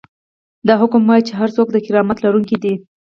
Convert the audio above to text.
دا حکم وايي چې هر څوک د کرامت لرونکی دی.